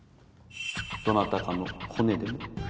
どなたかのコネでも？